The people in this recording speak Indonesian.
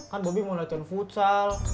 kan bobi mau latihan futsal